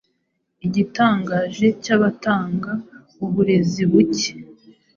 Igitangaje cyabatanga uburezi buke,